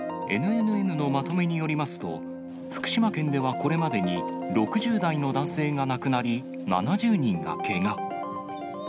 ＮＮＮのまとめによりますと、福島県ではこれまでに６０代の男性が亡くなり、７０人がけが。